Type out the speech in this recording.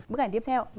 bức ảnh tiếp theo